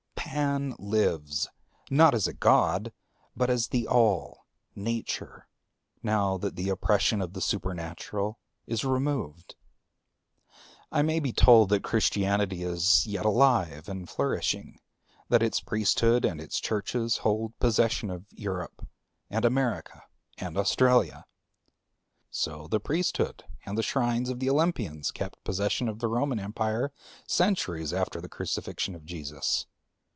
Pan lives, not as a God, but as the All, Nature, now that the oppression of the Supernatural is removed. I may be told that Christianity is yet alive and flourishing, that its priesthood and its churches hold possession of Europe and America and Australia. So the priesthood and the shrines of the Olympians kept possession of the Roman Empire centuries after the crucifixion of Jesus.